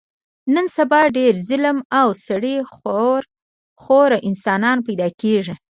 نن سبا ډېر ظالم او سړي خور انسانان پیدا کېږي.